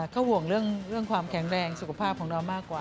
ก็ห่วงเรื่องความแข็งแรงสุขภาพของเรามากกว่า